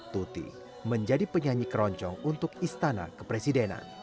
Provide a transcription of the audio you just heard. tuti menjadi penyanyi keroncong untuk istana kepresidenan